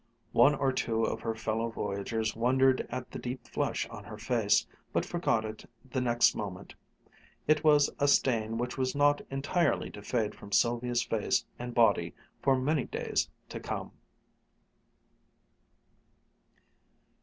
One or two of her fellow voyagers wondered at the deep flush on her face, but forgot it the next moment. It was a stain which was not entirely to fade from Sylvia's face and body for many days to come.